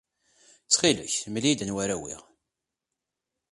Ttxil-k, mel-iyi-d anwa ara awiɣ.